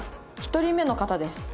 １人目の方です。